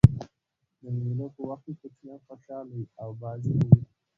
د مېلو په وخت کوچنيان خوشحاله يي او بازۍ کوي.